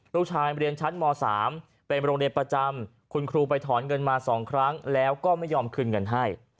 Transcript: ลูกชายเรียนชั้นม๓เป็นโรงเรียนประจำคุณครูไปถอนเงินมา๒ครั้งแล้วก็ไม่ยอมคืนเงินให้